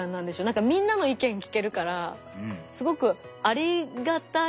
なんかみんなの意見聞けるからすごくありがたいですね。